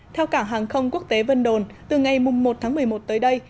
theo cảng hàng không quốc tế vân đồn từ ngày một tháng một mươi một tới đây